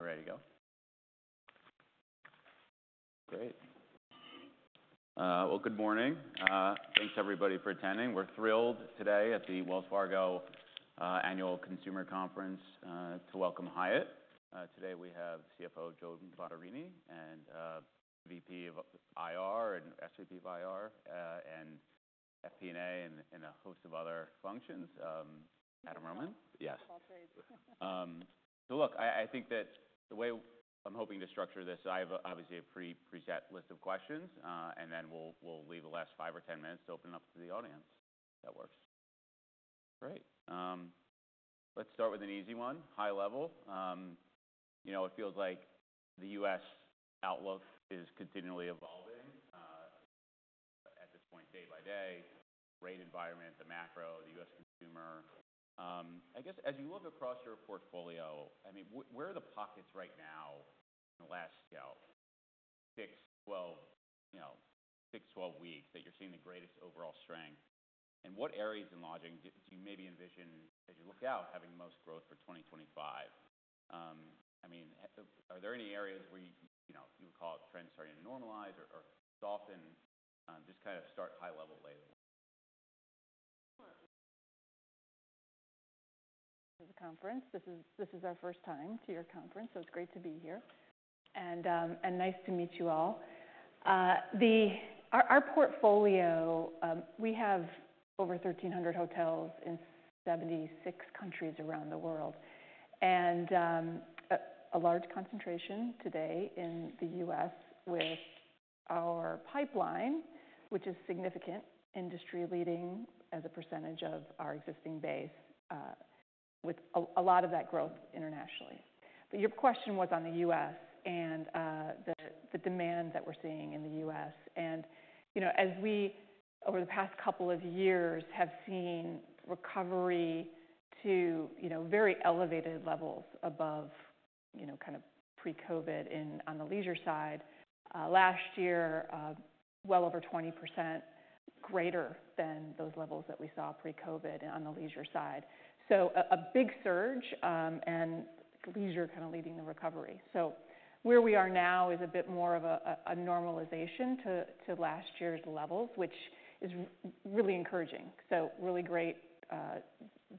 Ready to go? Great. Good morning. Thanks everybody for attending. We're thrilled today at the Wells Fargo Annual Consumer Conference to welcome Hyatt. Today we have CFO Joan Bottarini, and VP of IR and SVP of IR and FP&A, and a host of other functions, Adam Berman. Yes. All trades. So look, I think that the way I'm hoping to structure this, I have obviously a preset list of questions, and then we'll leave the last five or 10 minutes to open up to the audience. If that works. Great. Let's start with an easy one. High level, you know, it feels like the U.S. outlook is continually evolving, at this point, day by day, rate environment, the macro, the U.S. consumer. I guess, as you look across your portfolio, I mean, where are the pockets right now in the last, you know, six, 12, you know, six, 12 weeks, that you're seeing the greatest overall strength? And what areas in lodging do you maybe envision, as you look out, having the most growth for 2025? I mean, are there any areas where you, you know, you would call it trends starting to normalize or, or soften? Just kind of start high level, please.... The conference. This is our first time to your conference, so it's great to be here and nice to meet you all. Our portfolio, we have over 1,300 hotels in 76 countries around the world and a large concentration today in the U.S. with our pipeline, which is significant, industry-leading as a percentage of our existing base, with a lot of that growth internationally. But your question was on the U.S. and the demand that we're seeing in the U.S. You know, as we over the past couple of years have seen recovery to you know very elevated levels above you know kind of pre-COVID on the leisure side. Last year, well over 20% greater than those levels that we saw pre-COVID on the leisure side. So a big surge and leisure kind of leading the recovery. So where we are now is a bit more of a normalization to last year's levels, which is really encouraging. So really great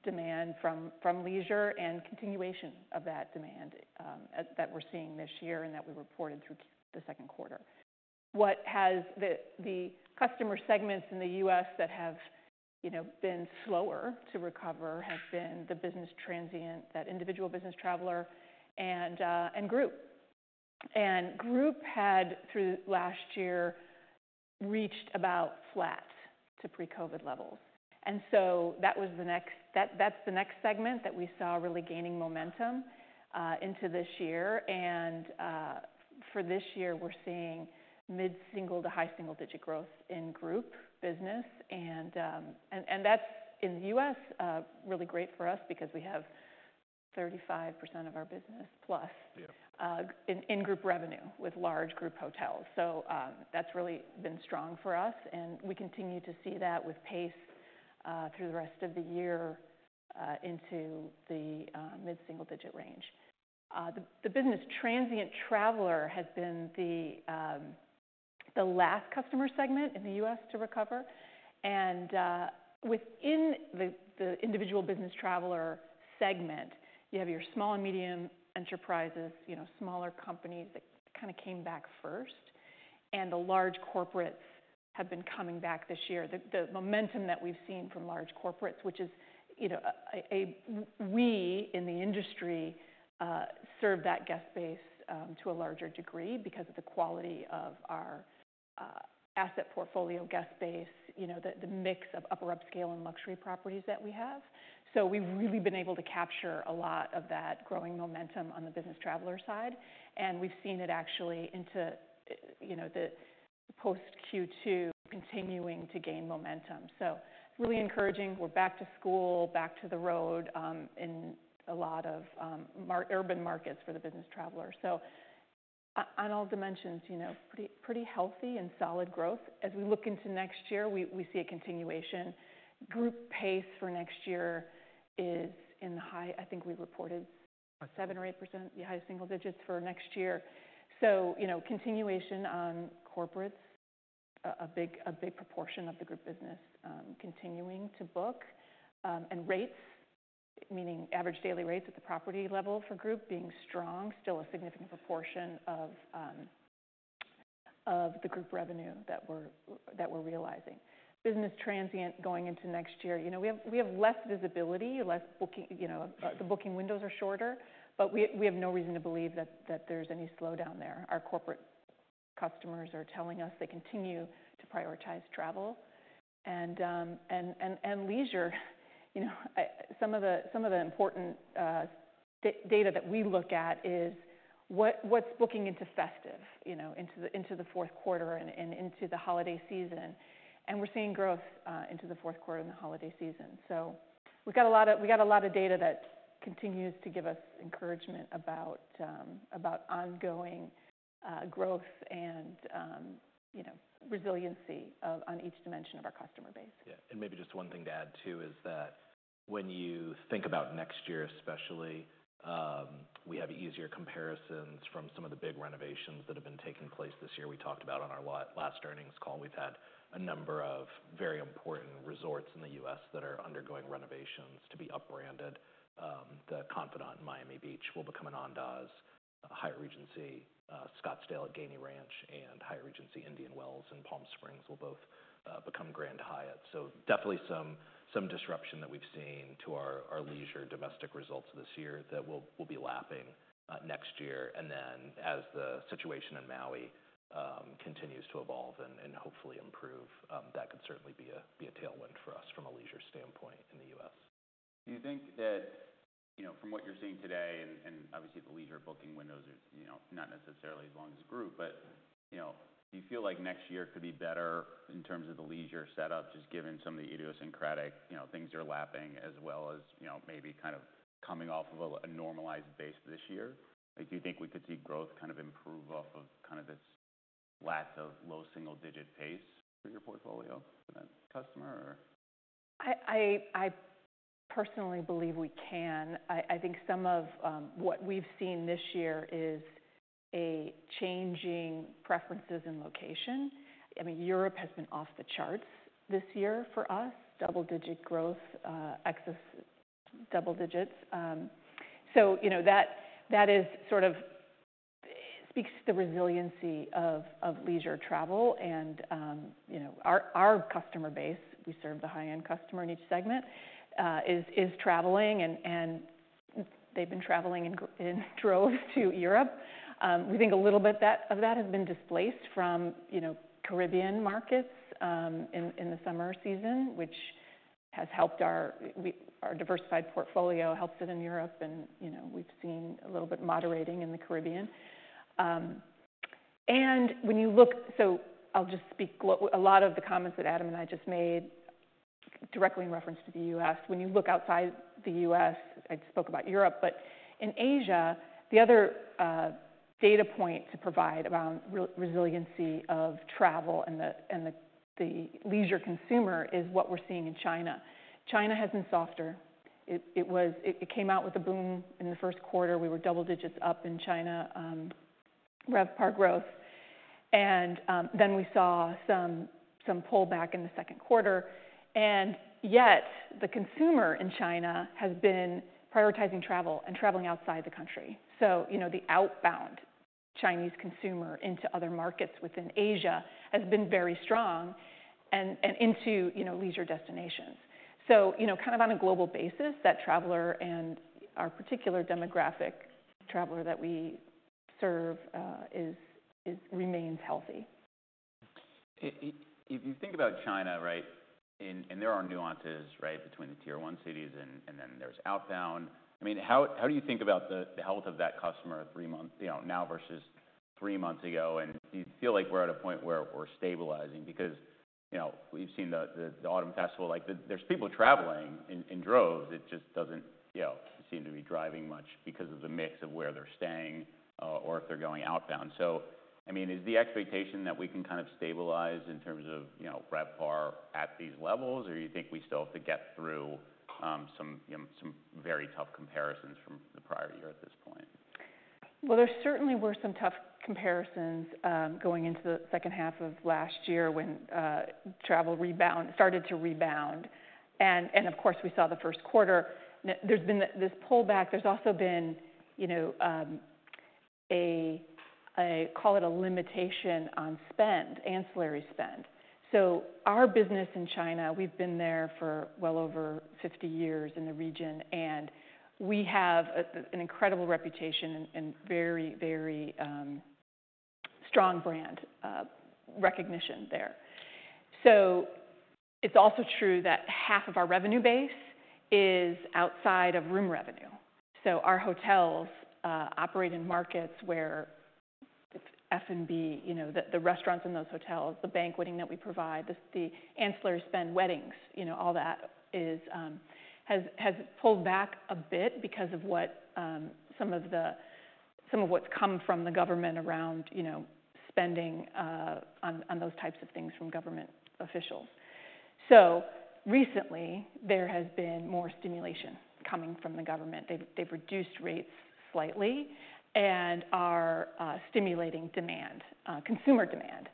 demand from leisure and continuation of that demand that we're seeing this year and that we reported through the second quarter. What has the customer segments in the U.S. that have, you know, been slower to recover has been the business transient, that individual business traveler, and group had, through last year, reached about flat to pre-COVID levels, and so that was the next segment that we saw really gaining momentum into this year. For this year, we're seeing mid-single to high single digit growth in group business and that's in the U.S., really great for us because we have 35% of our business plus- Yeah... in group revenue with large group hotels. So, that's really been strong for us, and we continue to see that with pace through the rest of the year into the mid-single digit range. The business transient traveler has been the last customer segment in the U.S. to recover. And within the individual business traveler segment, you have your small and medium enterprises, you know, smaller companies that kind of came back first, and the large corporates have been coming back this year. The momentum that we've seen from large corporates, which is, you know, we in the industry serve that guest base to a larger degree because of the quality of our asset portfolio guest base, you know, the mix of upper upscale and luxury properties that we have. So we've really been able to capture a lot of that growing momentum on the business traveler side, and we've seen it actually into you know the post Q2 continuing to gain momentum. So it's really encouraging. We're back to school, back to the road in a lot of urban markets for the business traveler. So on all dimensions, you know, pretty healthy and solid growth. As we look into next year, we see a continuation. Group pace for next year is in the high... I think we reported- Seven. 7%-8%, the high single digits for next year. So, you know, continuation on corporates, a big proportion of the group business continuing to book, and rates, meaning average daily rates at the property level for group being strong, still a significant proportion of the group revenue that we're realizing. Business transient going into next year, you know, we have less visibility, less booking. You know, the booking windows are shorter, but we have no reason to believe that there's any slowdown there. Our corporate customers are telling us they continue to prioritize travel and leisure. You know, some of the important data that we look at is what's booking into fiscal, you know, into the fourth quarter and into the holiday season. And we're seeing growth into the fourth quarter and the holiday season. So we've got a lot of data that continues to give us encouragement about ongoing growth and, you know, resiliency on each dimension of our customer base. Yeah, and maybe just one thing to add, too, is that when you think about next year especially, we have easier comparisons from some of the big renovations that have been taking place this year. We talked about on our last earnings call, we've had a number of very important resorts in the U.S. that are undergoing renovations to be up-branded. The Confidante in Miami Beach will become an Andaz. Hyatt Regency Scottsdale at Gainey Ranch, and Hyatt Regency Indian Wells in Palm Springs will both become Grand Hyatts. So definitely some disruption that we've seen to our leisure domestic results this year that we'll be lapping next year. And then, as the situation in Maui continues to evolve and hopefully improve, that could certainly be a tailwind for us from a leisure standpoint in the U.S. Do you think that, you know, from what you're seeing today and obviously the leisure booking windows are, you know, not necessarily as long as group, but, you know, do you feel like next year could be better in terms of the leisure setup, just given some of the idiosyncratic, you know, things you're lapping as well as, you know, maybe kind of coming off of a normalized base this year? Like, do you think we could see growth kind of improve off of kind of this lack of low single digit pace for your portfolio for that customer or? I personally believe we can. I think some of what we've seen this year is a changing preferences in location. I mean, Europe has been off the charts this year for us. Double-digit growth, excess double digits. So you know, that is sort of speaks to the resiliency of leisure travel and you know, our customer base. We serve the high-end customer in each segment is traveling, and they've been traveling in droves to Europe. We think a little bit that of that has been displaced from you know, Caribbean markets, in the summer season, which has helped our diversified portfolio, helped it in Europe and you know, we've seen a little bit moderating in the Caribbean. And when you look... So I'll just speak a lot of the comments that Adam and I just made directly in reference to the U.S. When you look outside the U.S., I spoke about Europe, but in Asia, the other data point to provide around resiliency of travel and the leisure consumer is what we're seeing in China. China has been softer. It came out with a boom in the first quarter. We were double digits up in China, RevPAR growth, and then we saw some pullback in the second quarter. And yet, the consumer in China has been prioritizing travel and traveling outside the country. So, you know, the outbound Chinese consumer into other markets within Asia has been very strong and into, you know, leisure destinations. So, you know, kind of on a global basis, that traveler and our particular demographic, traveler that we serve, remains healthy. If you think about China, right? And there are nuances, right, between the Tier One cities and then there's outbound. I mean, how do you think about the health of that customer three months, you know, now versus three months ago? And do you feel like we're at a point where we're stabilizing? Because, you know, we've seen the Autumn Festival, like, there's people traveling in droves. It just doesn't, you know, seem to be driving much because of the mix of where they're staying or if they're going outbound. So, I mean, is the expectation that we can kind of stabilize in terms of, you know, RevPAR at these levels? Or you think we still have to get through some very tough comparisons from the prior year at this point? There certainly were some tough comparisons, going into the second half of last year, when travel started to rebound and of course, we saw the first quarter. There's been this pullback. There's also been, you know, Call it a limitation on spend, ancillary spend. So our business in China, we've been there for well over fifty years in the region, and we have an incredible reputation and very, very strong brand recognition there. So it's also true that half of our revenue base is outside of room revenue. So our hotels operate in markets where it's F&B, you know, the restaurants in those hotels, the banqueting that we provide, the ancillary spend, weddings, you know, all that is has pulled back a bit because of some of what's come from the government around, you know, spending on those types of things from government officials. So recently, there has been more stimulation coming from the government. They've reduced rates slightly and are stimulating demand, consumer demand,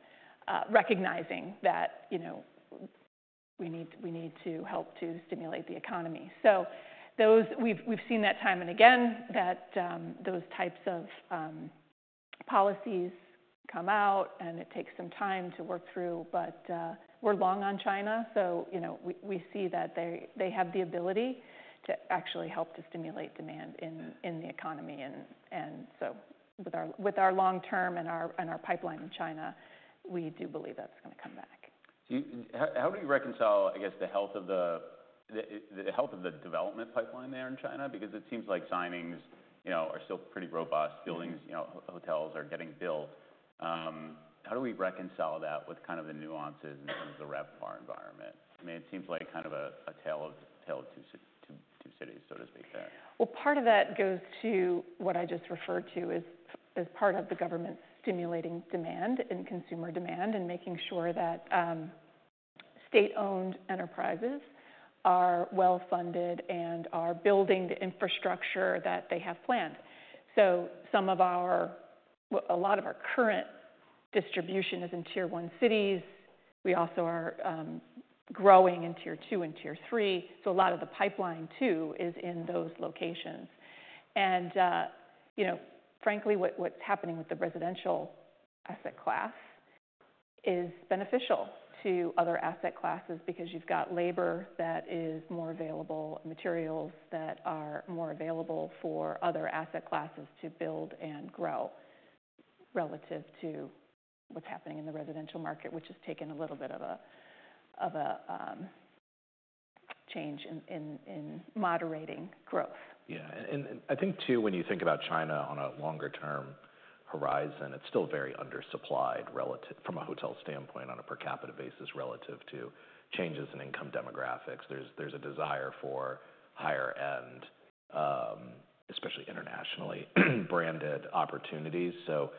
recognizing that, you know, we need to help to stimulate the economy. So those. We've seen that time and again, that those types of policies come out, and it takes some time to work through. But, we're long on China, so, you know, we see that they have the ability to actually help to stimulate demand in the economy. And so with our long term and our pipeline in China, we do believe that's going to come back. How do you reconcile, I guess, the health of the development pipeline there in China? Because it seems like signings, you know, are still pretty robust. Buildings, you know, hotels are getting built. How do we reconcile that with kind of the nuances in terms of the RevPAR environment? I mean, it seems like kind of a tale of two cities. ... two cities, so to speak there. Part of that goes to what I just referred to as part of the government stimulating demand and consumer demand, and making sure that state-owned enterprises are well-funded and are building the infrastructure that they have planned. So a lot of our current distribution is in Tier One cities. We also are growing in Tier Two and Tier Three, so a lot of the pipeline, too, is in those locations. And you know, frankly, what's happening with the residential asset class is beneficial to other asset classes because you've got labor that is more available, materials that are more available for other asset classes to build and grow relative to what's happening in the residential market, which has taken a little bit of a change in moderating growth. Yeah, and, and I think, too, when you think about China on a longer term horizon, it's still very undersupplied relative, from a hotel standpoint, on a per capita basis, relative to changes in income demographics. There's, there's a desire for higher-end, especially internationally, branded opportunities. So,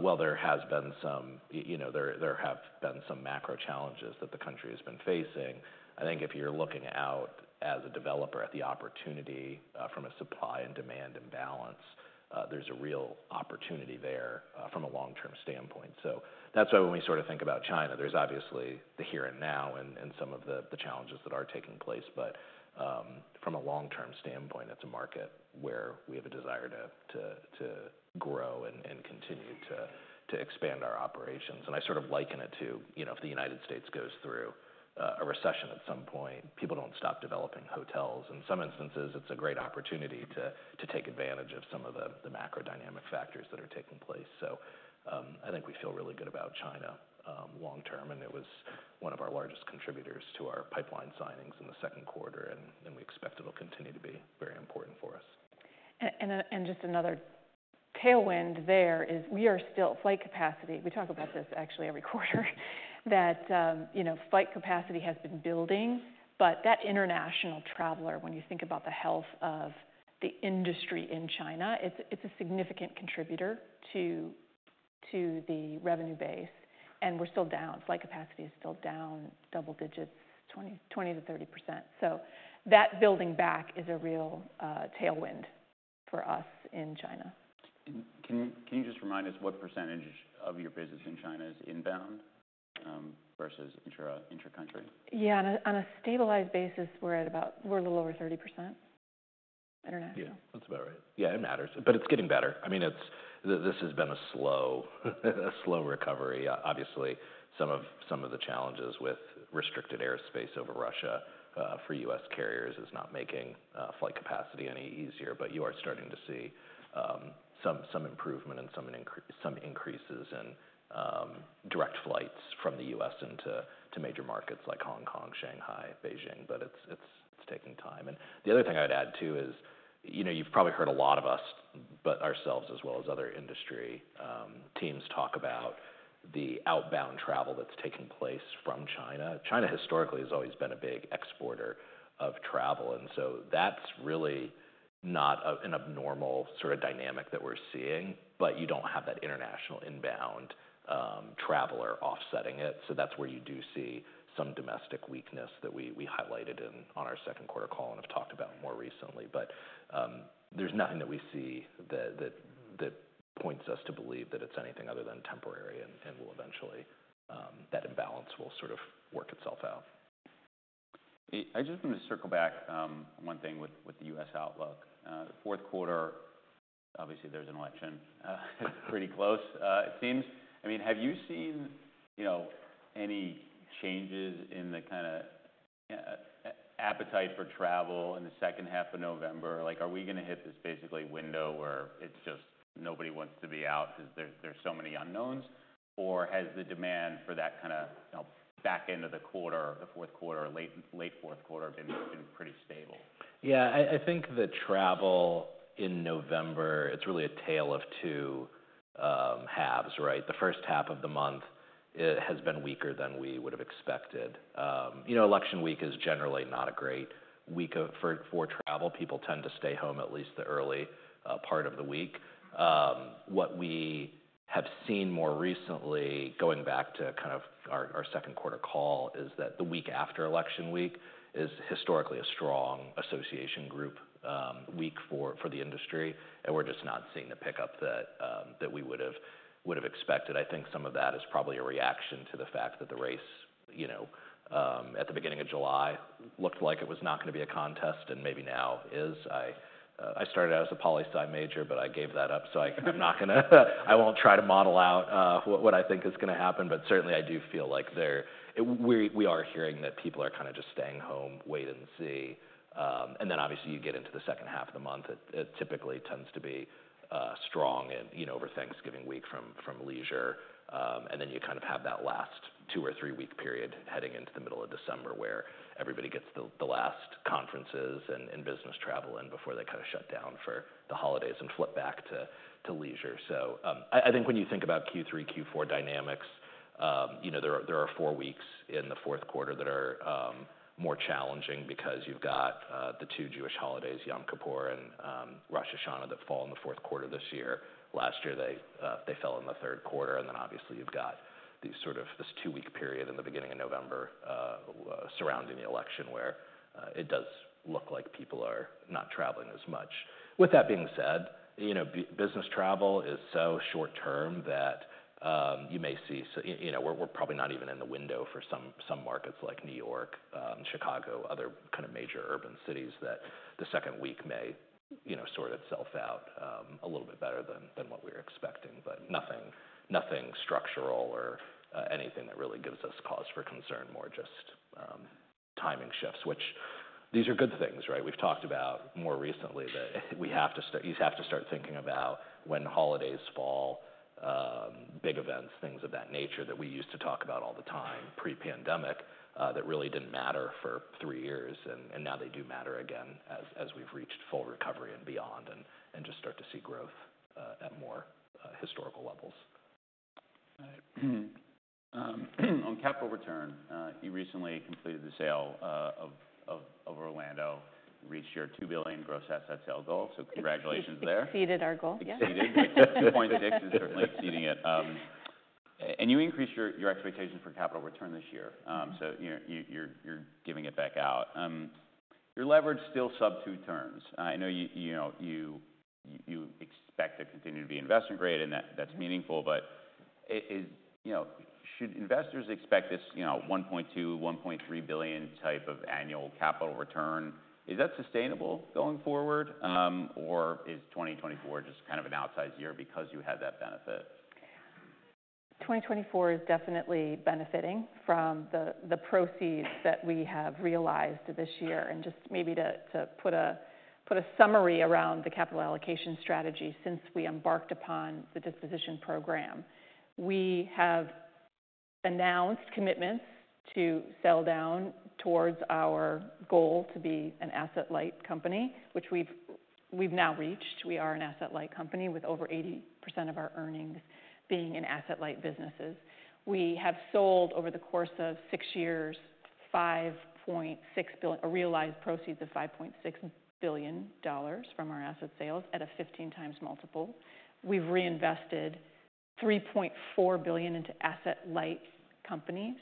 while there has been some you know, there, there have been some macro challenges that the country has been facing. I think if you're looking out as a developer at the opportunity, from a supply and demand imbalance, there's a real opportunity there, from a long-term standpoint. So that's why when we sort of think about China, there's obviously the here and now and, and some of the, the challenges that are taking place. But from a long-term standpoint, it's a market where we have a desire to grow and continue to expand our operations. And I sort of liken it to, you know, if the United States goes through a recession at some point, people don't stop developing hotels. In some instances, it's a great opportunity to take advantage of some of the macroeconomic factors that are taking place. So I think we feel really good about China long term, and it was one of our largest contributors to our pipeline signings in the second quarter, and we expect it'll continue to be very important for us. Just another tailwind there is. We are still flight capacity. We talk about this actually every quarter, that you know, flight capacity has been building. But that international traveler, when you think about the health of the industry in China, it's a significant contributor to the revenue base, and we're still down. Flight capacity is still down double digits, 20%-30%. So that building back is a real tailwind for us in China. Can you just remind us what percentage of your business in China is inbound versus intra-country? Yeah. On a stabilized basis, we're a little over 30% international. Yeah, that's about right. Yeah, it matters, but it's getting better. I mean, this has been a slow recovery. Obviously, some of the challenges with restricted airspace over Russia for U.S. carriers is not making flight capacity any easier. But you are starting to see some improvement and some increases in direct flights from the U.S. into major markets like Hong Kong, Shanghai, Beijing, but it's taking time. And the other thing I'd add, too, is, you know, you've probably heard a lot from us, but ourselves as well as other industry teams talk about the outbound travel that's taking place from China. China, historically, has always been a big exporter of travel, and so that's really not an abnormal sort of dynamic that we're seeing. But you don't have that international inbound traveler offsetting it, so that's where you do see some domestic weakness that we highlighted in our second quarter call and have talked about more recently. But there's nothing that we see that points us to believe that it's anything other than temporary, and will eventually that imbalance will sort of work itself out. I just want to circle back, on one thing with the U.S. outlook. The fourth quarter, obviously, there's an election. It's pretty close, it seems. I mean, have you seen, you know, any changes in the kind of, appetite for travel in the second half of November? Like, are we gonna hit this, basically, window where it's just nobody wants to be out because there's so many unknowns? Or has the demand for that kind of, you know, back end of the quarter, the fourth quarter, late fourth quarter, been pretty stable? Yeah, I think the travel in November, it's really a tale of two halves, right? The first half of the month has been weaker than we would have expected. You know, election week is generally not a great week for travel. People tend to stay home at least the early part of the week. What we have seen more recently, going back to kind of our second quarter call, is that the week after election week is historically a strong association group week for the industry, and we're just not seeing the pickup that we would've expected. I think some of that is probably a reaction to the fact that the race, you know, at the beginning of July, looked like it was not gonna be a contest, and maybe now is. I started out as a poli sci major, but I gave that up, so I'm not gonna... I won't try to model out what I think is gonna happen, but certainly I do feel like we are hearing that people are kind of just staying home, wait and see, and then, obviously, you get into the second half of the month, it typically tends to be strong and, you know, over Thanksgiving week from leisure, and then you kind of have that last two or three-week period heading into the middle of December, where everybody gets the last conferences and business travel in before they kind of shut down for the holidays and flip back to leisure. So, I think when you think about Q3, Q4 dynamics... You know, there are four weeks in the fourth quarter that are more challenging because you've got the two Jewish holidays, Yom Kippur and Rosh Hashanah, that fall in the fourth quarter this year. Last year, they fell in the third quarter, and then obviously, you've got this two-week period in the beginning of November surrounding the election, where it does look like people are not traveling as much. With that being said, you know, business travel is so short-term that you may see, so you know, we're probably not even in the window for some markets like New York, Chicago, other kind of major urban cities, that the second week may you know, sort itself out a little bit better than what we're expecting. But nothing, nothing structural or, anything that really gives us cause for concern, more just, timing shifts, which these are good things, right? We've talked about more recently that we have to start, you have to start thinking about when holidays fall, big events, things of that nature, that we used to talk about all the time pre-pandemic, that really didn't matter for three years, and now they do matter again as, as we've reached full recovery and beyond, and just start to see growth, at more, historical levels. On capital return, you recently completed the sale of Orlando, reached your $2 billion gross asset sale goal, so congratulations there. Exceeded our goal. Yeah. Exceeded. 2.6 is certainly exceeding it. You increased your expectations for capital return this year. You know, you're giving it back out. Your leverage is still sub two turns. I know you know, you expect to continue to be investment grade, and that- Mm-hmm... that's meaningful, but is, you know, should investors expect this, you know, $1.2-$1.3 billion type of annual capital return? Is that sustainable going forward, or is 2024 just kind of an outsized year because you had that benefit? 2024 is definitely benefiting from the proceeds that we have realized this year. Just maybe to put a summary around the capital allocation strategy since we embarked upon the disposition program. We have announced commitments to sell down towards our goal to be an asset-light company, which we've now reached. We are an asset-light company with over 80% of our earnings being in asset-light businesses. We have sold, over the course of 6 years, realized proceeds of $5.6 billion from our asset sales at a fifteen times multiple. We've reinvested $3.4 billion into asset-light companies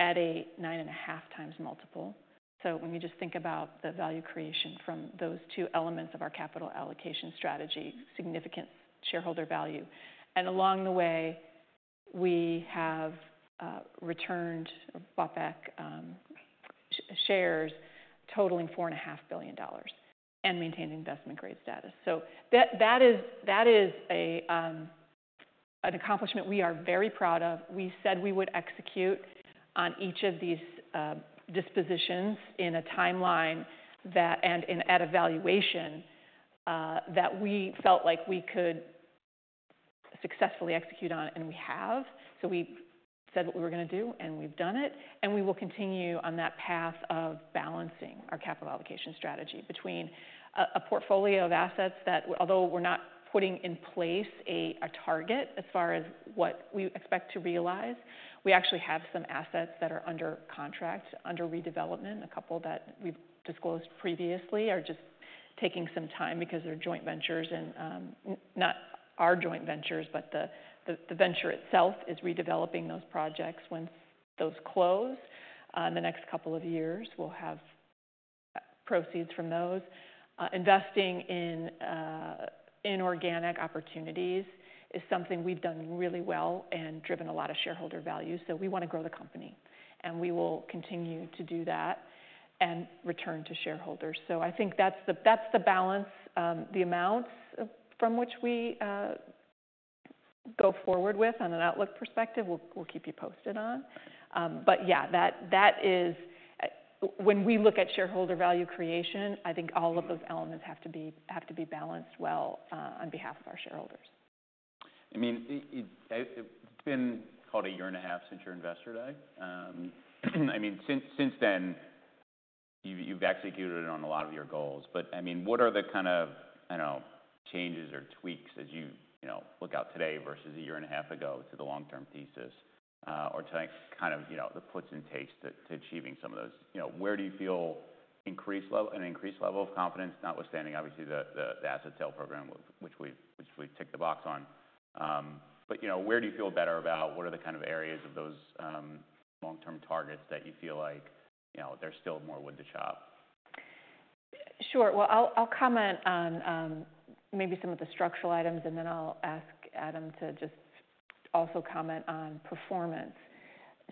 at a nine and a half times multiple. When you just think about the value creation from those two elements of our capital allocation strategy, significant shareholder value. And along the way, we have returned, bought back, shares totaling $4.5 billion and maintained investment grade status. So that is an accomplishment we are very proud of. We said we would execute on each of these dispositions in a timeline that... And at a valuation that we felt like we could successfully execute on, and we have. So we said what we were gonna do, and we've done it, and we will continue on that path of balancing our capital allocation strategy between a portfolio of assets that, although we're not putting in place a target as far as what we expect to realize, we actually have some assets that are under contract, under redevelopment. A couple that we've disclosed previously are just taking some time because they're joint ventures and not our joint ventures, but the venture itself is redeveloping those projects. Once those close, in the next couple of years, we'll have proceeds from those. Investing in inorganic opportunities is something we've done really well and driven a lot of shareholder value. So we want to grow the company, and we will continue to do that and return to shareholders. So I think that's the balance, the amounts from which we go forward with on an outlook perspective, we'll keep you posted on. But yeah, that is. When we look at shareholder value creation, I think all of those elements have to be balanced well on behalf of our shareholders. I mean, it's been a year and a half since your Investor Day. I mean, since then, you've executed on a lot of your goals, but I mean, what are the kind of, I don't know, changes or tweaks as you, you know, look out today versus a year and a half ago to the long-term thesis, or to kind of, you know, the puts and takes to achieving some of those? You know, where do you feel an increased level of confidence, notwithstanding, obviously, the asset sale program, which we've ticked the box on, but you know, where do you feel better about? What are the kind of areas of those long-term targets that you feel like, you know, there's still more wood to chop? Sure. Well, I'll comment on maybe some of the structural items, and then I'll ask Adam to just also comment on performance.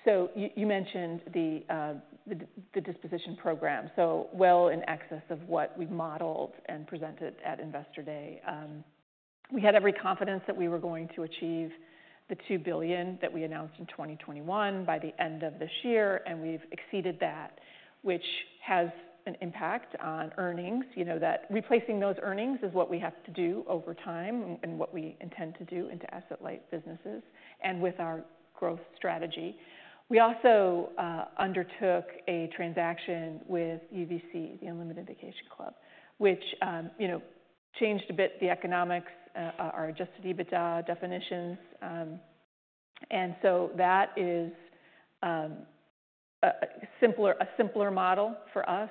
So you mentioned the disposition program so well in excess of what we modeled and presented at Investor Day. We had every confidence that we were going to achieve the $2 billion that we announced in 2021 by the end of this year, and we've exceeded that, which has an impact on earnings. You know that replacing those earnings is what we have to do over time and what we intend to do into asset-light businesses and with our growth strategy. We also undertook a transaction with UVC, the Unlimited Vacation Club, which changed a bit the economics, our adjusted EBITDA definitions. And so that is a simpler model for us,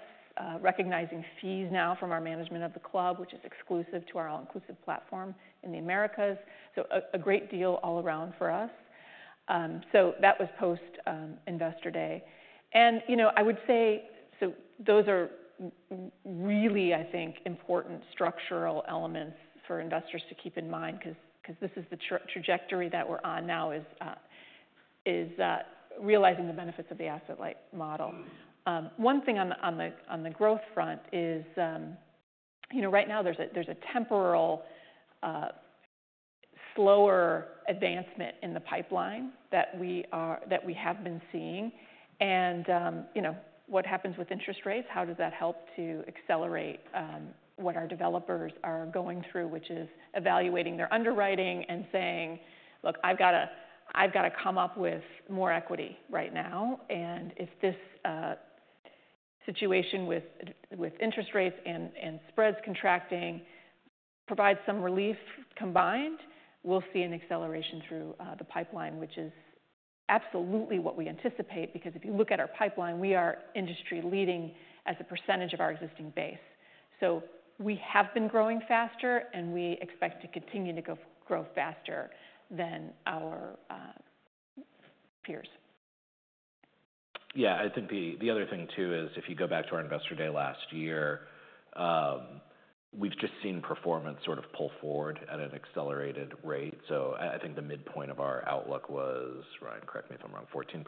recognizing fees now from our management of the club, which is exclusive to our all-inclusive platform in the Americas. So a great deal all around for us. So that was post Investor Day. And, you know, I would say so those are really, I think, important structural elements for investors to keep in mind, 'cause this is the trajectory that we're on now, is realizing the benefits of the asset-light model. One thing on the growth front is, you know, right now there's a temporal slower advancement in the pipeline that we have been seeing. And, you know, what happens with interest rates? How does that help to accelerate what our developers are going through, which is evaluating their underwriting and saying: "Look, I've gotta come up with more equity right now." And if this situation with interest rates and spreads contracting provides some relief combined, we'll see an acceleration through the pipeline, which is absolutely what we anticipate. Because if you look at our pipeline, we are industry leading as a percentage of our existing base. So we have been growing faster, and we expect to continue to grow faster than our peers. Yeah, I think the other thing, too, is if you go back to our Investor Day last year, we've just seen performance sort of pull forward at an accelerated rate. So I think the midpoint of our outlook was, Ryan, correct me if I'm wrong, 14%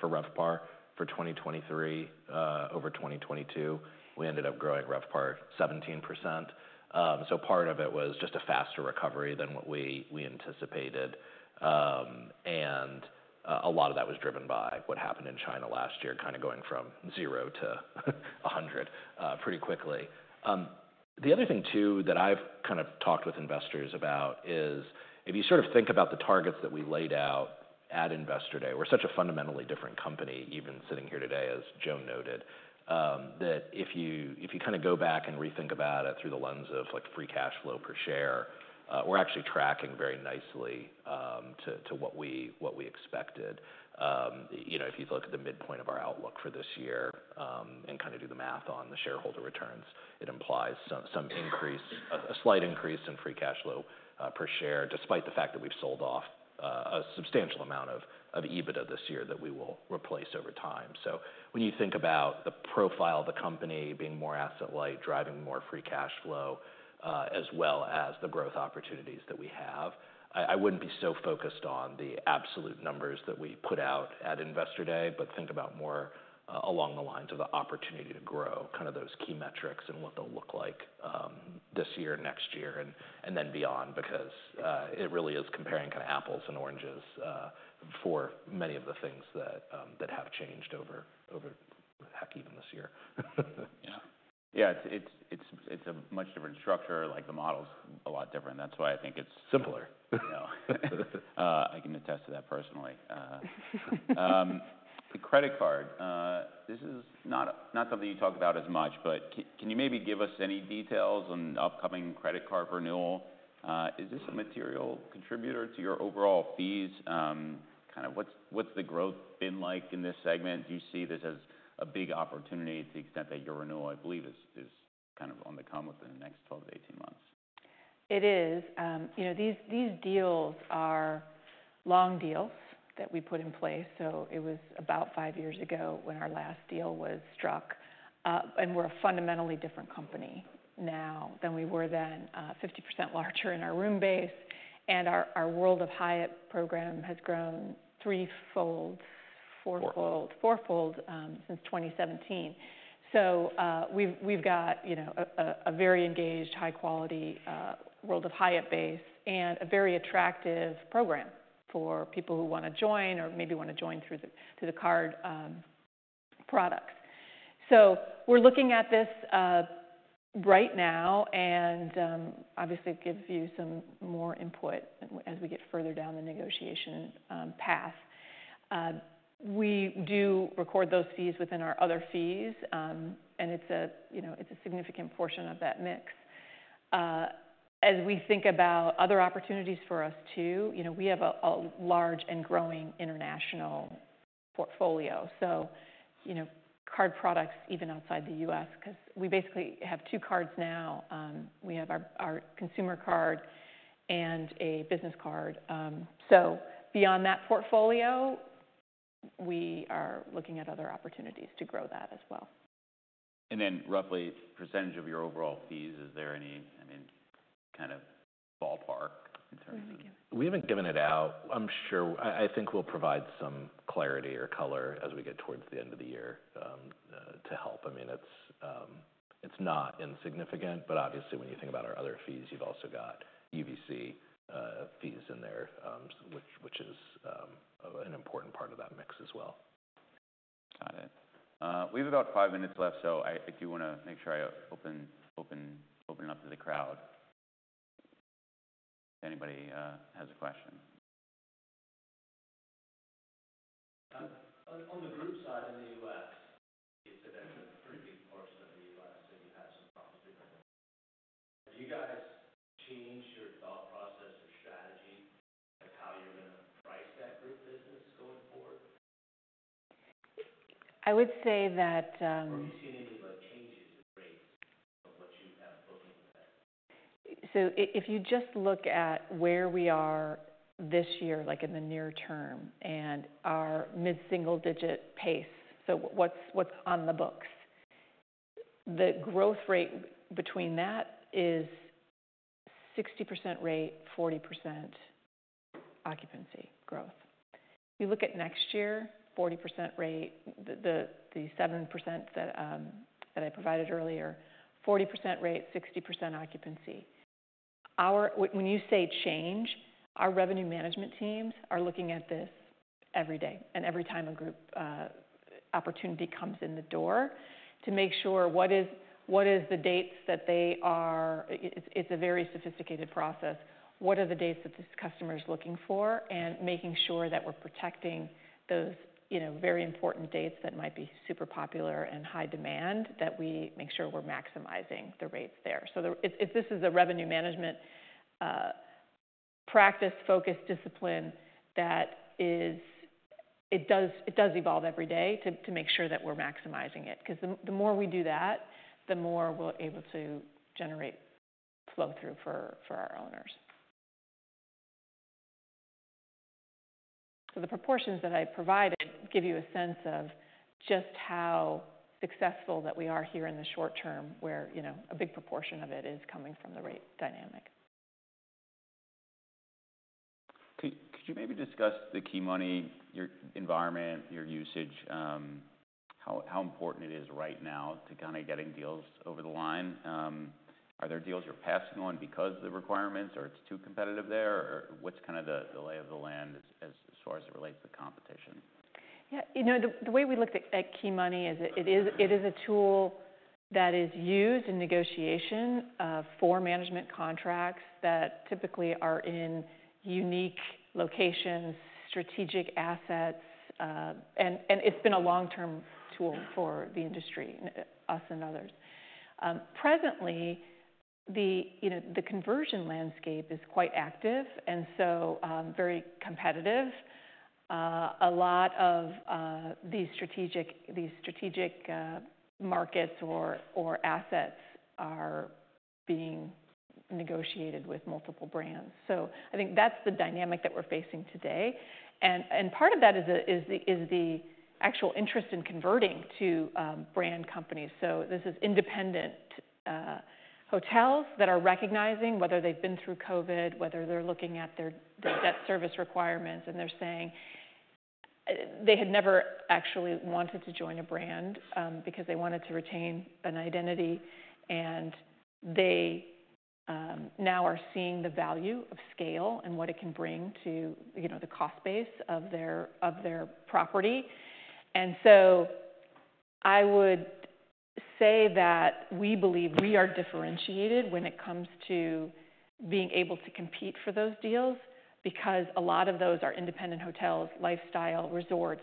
for RevPAR for 2023 over 2022. We ended up growing RevPAR 17%. So part of it was just a faster recovery than what we anticipated, and a lot of that was driven by what happened in China last year, kinda going from zero to a hundred pretty quickly. The other thing, too, that I've kind of talked with investors about is if you sort of think about the targets that we laid out at Investor Day, we're such a fundamentally different company, even sitting here today, as Joe noted. That if you kind of go back and rethink about it through the lens of, like, free cash flow per share, we're actually tracking very nicely to what we expected. You know, if you look at the midpoint of our outlook for this year and kinda do the math on the shareholder returns, it implies a slight increase in free cash flow per share, despite the fact that we've sold off a substantial amount of EBITDA this year that we will replace over time. So when you think about the profile of the company being more asset-light, driving more free cash flow, as well as the growth opportunities that we have, I wouldn't be so focused on the absolute numbers that we put out at Investor Day, but think about more along the lines of the opportunity to grow kind of those key metrics and what they'll look like this year, next year, and then beyond. Because it really is comparing kind of apples and oranges for many of the things that have changed over, heck, even this year. Yeah. Yeah, it's a much different structure, like, the model's a lot different. That's why I think it's- Simpler. You know? I can attest to that personally. The credit card, this is not something you talk about as much, but can you maybe give us any details on the upcoming credit card renewal? Is this a material contributor to your overall fees? Kinda, what's the growth been like in this segment? Do you see this as a big opportunity to the extent that your renewal, I believe, is kind of on the come within the next twelve to eighteen months? It is. You know, these deals are long deals that we put in place, so it was about five years ago when our last deal was struck, and we're a fundamentally different company now than we were then, 50% larger in our room base, and our World of Hyatt program has grown threefold, fourfold. Four. fourfold since 2017. So we've got, you know, a very engaged, high quality World of Hyatt base and a very attractive program for people who wanna join or maybe wanna join through the card product. So we're looking at this right now, and obviously, it gives you some more input as we get further down the negotiation path. We do record those fees within our other fees, and it's a, you know, it's a significant portion of that mix. As we think about other opportunities for us, too, you know, we have a large and growing international portfolio, so, you know, card products even outside the U.S., 'cause we basically have two cards now. We have our consumer card and a business card. So beyond that portfolio, we are looking at other opportunities to grow that as well. And then, roughly, percentage of your overall fees, is there any, I mean, kind of ballpark in terms of- We haven't given- We haven't given it out. I'm sure I think we'll provide some clarity or color as we get towards the end of the year to help. I mean, it's not insignificant, but obviously, when you think about our other fees, you've also got UVC fees in there, which is an important part of that mix as well. Got it. We have about five minutes left, so I do wanna make sure I open it up to the crowd, if anybody has a question.... On the group side in the US, it's actually a pretty big portion of the US, so you have some property. Have you guys changed your thought process or strategy, like, how you're gonna price that group business going forward? I would say that, Or have you seen any of the changes in rates of what you have booked into that? If you just look at where we are this year, like in the near term, and our mid-single-digit pace, so what's on the books? The growth rate between that is 60% rate, 40% occupancy growth. If you look at next year, 40% rate, the 7% that I provided earlier, 40% rate, 60% occupancy. When you say change, our revenue management teams are looking at this every day and every time a group opportunity comes in the door to make sure what the dates that they are. It's a very sophisticated process. What are the dates that this customer is looking for? And making sure that we're protecting those, you know, very important dates that might be super popular and high demand, that we make sure we're maximizing the rates there. If this is a revenue management practice-focused discipline, it does evolve every day to make sure that we're maximizing it, because the more we do that, the more we're able to generate flow-through for our owners. So the proportions that I provided give you a sense of just how successful that we are here in the short term, where you know, a big proportion of it is coming from the rate dynamic. Could you maybe discuss the key money, your environment, your usage, how important it is right now to kind of getting deals over the line? Are there deals you're passing on because of the requirements or it's too competitive there? Or what's kind of the lay of the land as far as it relates to competition? Yeah. You know, the way we looked at key money is. It is a tool that is used in negotiation for management contracts that typically are in unique locations, strategic assets, and it's been a long-term tool for the industry, us and others. Presently, you know, the conversion landscape is quite active and so, very competitive. A lot of these strategic markets or assets are being negotiated with multiple brands. So I think that's the dynamic that we're facing today, and part of that is the actual interest in converting to brand companies. This is independent hotels that are recognizing whether they've been through COVID, whether they're looking at their debt service requirements, and they're saying they had never actually wanted to join a brand because they wanted to retain an identity, and they now are seeing the value of scale and what it can bring to, you know, the cost base of their property. I would say that we believe we are differentiated when it comes to being able to compete for those deals, because a lot of those are independent hotels, lifestyle resorts,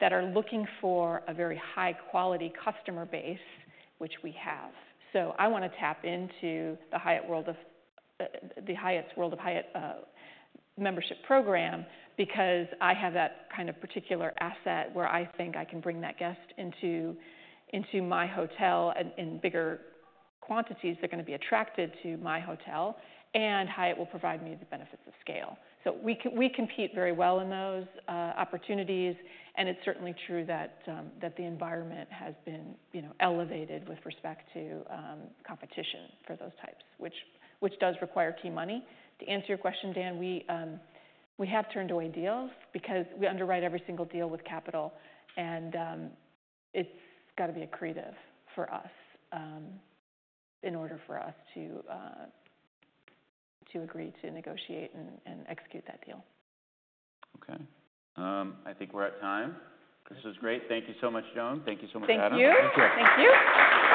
that are looking for a very high-quality customer base, which we have. So I wanna tap into the Hyatt's World of Hyatt membership program, because I have that kind of particular asset where I think I can bring that guest into my hotel in bigger quantities. They're gonna be attracted to my hotel, and Hyatt will provide me the benefits of scale. So we compete very well in those opportunities, and it's certainly true that the environment has been, you know, elevated with respect to competition for those types, which does require key money. To answer your question, Dan, we have turned away deals because we underwrite every single deal with capital, and it's got to be accretive for us in order for us to agree to negotiate and execute that deal. Okay. I think we're at time. This was great. Thank you so much, Joan. Thank you so much, Adam. Thank you. Thank you. Thank you.